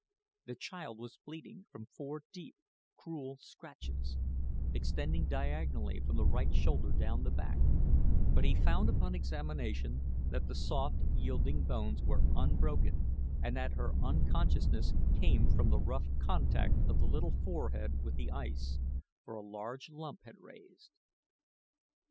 The child was bleeding from four deep, cruel scratches, extending diagonally from the right shoulder down the back; but he found upon examination that the soft, yielding bones were unbroken, and that her unconsciousness came from the rough contact of the little forehead with the ice; for a large lump had raised.